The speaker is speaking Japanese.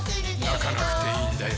なかなくていいんだよ